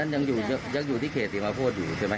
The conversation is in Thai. อันนั้นยังอยู่ที่เคสติมอาโพธน์ใช่ไหมใส่ไป